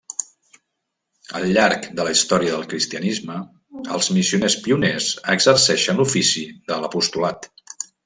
Al llarg de la història del cristianisme els missioners pioners exerceixen l'ofici de l'apostolat.